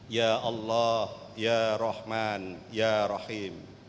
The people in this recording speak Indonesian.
ya allah ya rahman ya rahim